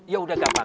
ya udah gampang